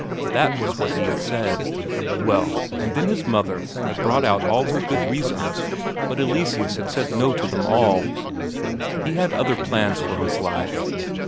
That was what he had said. Well, and then his mother had brought out all her good reasons, but Eleseus had said no to them all; he had other plans for his life.